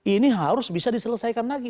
ini harus bisa diselesaikan lagi